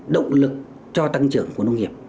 động lực cho tăng trưởng của nông nghiệp